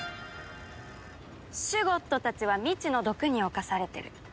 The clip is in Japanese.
シュゴッドたちは未知の毒に侵されてる。